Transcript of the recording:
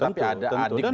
tapi ada adik dan